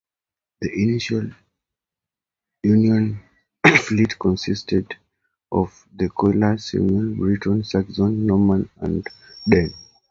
The initial Union fleet consisted of the colliers "Union", "Briton", "Saxon", "Norman" and "Dane".